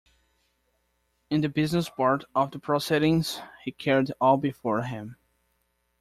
In the business part of the proceedings he carried all before him.